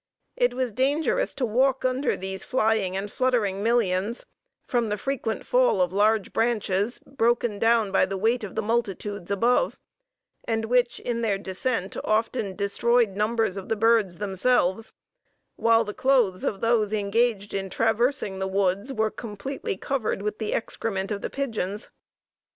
It was dangerous to walk under these flying and fluttering millions, from the frequent fall of large branches, broken down by the weight of the multitudes above, and which, in their descent, often destroyed numbers of the birds themselves; while the clothes of those engaged in traversing the woods were completely covered with the excrements of the pigeons.